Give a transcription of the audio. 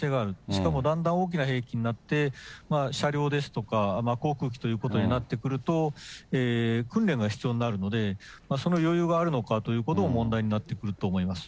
しかもだんだん大きな兵器になって、車両ですとか、航空機ということになってくると、訓練が必要になるので、その余裕があるのかということも問題になってくると思います。